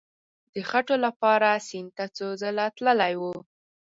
د خټو لپاره سیند ته څو ځله تللی وو.